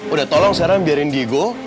udah tolong sekarang biarin diego